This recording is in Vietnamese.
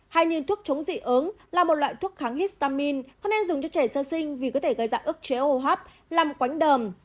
hay như thuốc chống dị ứng là một loại thuốc kháng histamine có nên dùng cho trẻ sơ sinh vì có thể gây ra ức chế hô hấp làm quánh đờm